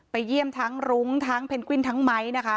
เยี่ยมทั้งรุ้งทั้งเพนกวินทั้งไม้นะคะ